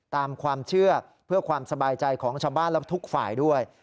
ตามความเชื่อเพื่อความสบายใจของชาวบ้านและทุกฝ่ายด้วย